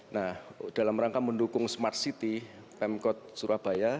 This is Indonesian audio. nah dalam rangka mendukung smart city pemkot surabaya